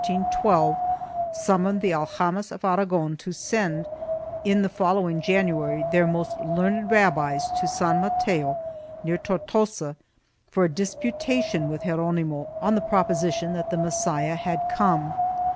THE JEWS AND THE CONVERSOS [Boon I summoned the aljamas of Aragon to send, in the following Jan uary, their most learned rabbis to San Mateo, near Tortosa, for a disputation with Geronimo on the proposition that the Messiah had come.